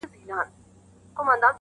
وروسته وار سو د قاضى د وزيرانو؛